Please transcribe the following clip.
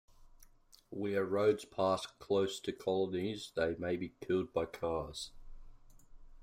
Where roads pass close to colonies, they may be killed by cars.